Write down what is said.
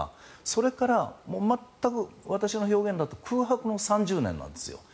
それから全く私の表現だと空白の３０年なんです。